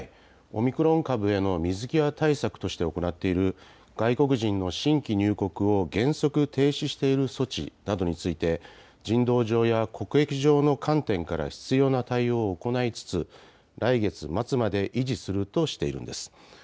オミクロン株への水際対策として行っている外国人の新規入国を原則停止している措置などについて人道上や国益上の観点から必要な対応を行いつつ来月末まで維持するとしているんです。